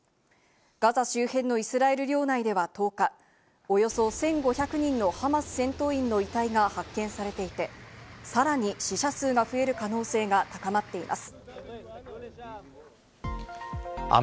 ガザ周辺のイスラエル領内では１０日、およそ１５００人のハマス戦闘員の遺体が発見されていて、さらに死者数が増える可能性が高まっています。